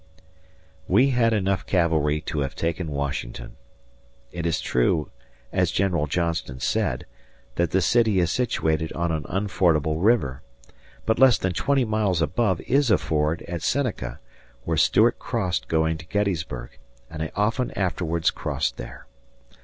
We had enough cavalry to have taken Washington. It is true, as General Johnston said, that the city is situated on an unfordable river; but less than twenty miles above is a ford at Seneca where Stuart crossed going to Gettysburg, and I often afterwards crossed there.